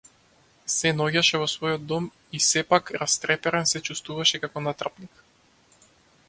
Се наоѓаше во својот дом и сепак, растреперен, се чувствуваше како натрапник.